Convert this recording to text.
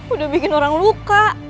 udah bikin orang luka